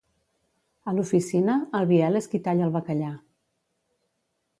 A l'oficina, el Biel és qui talla el bacallà.